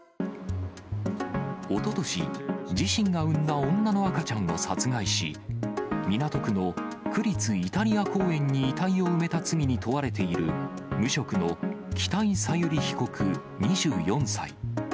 おととし、自身が産んだ女の赤ちゃんを殺害し、港区の区立イタリア公園に遺体を埋めた罪に問われている、無職の北井小由里被告２４歳。